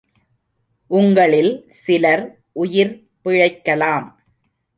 உங்களில் சிலர் உயிர் பிழைக்கலாம்!